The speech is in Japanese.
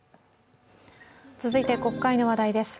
続いて国会の話題です。